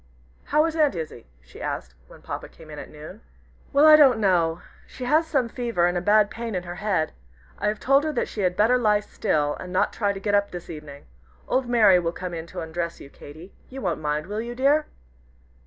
"How is Aunt Izzie?" she asked, when Papa came in at noon. "Well, I don't know. She has some fever and a bad pain in her head. I have told her that she had better lie still, and not try to get up this evening. Old Mary will come in to undress you, Katy. You won't mind, will you, dear?"